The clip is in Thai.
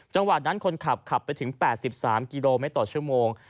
จังหวัดนั้นคนขับขับไปถึง๘๓กิโลเมตรต่อชั่วโมง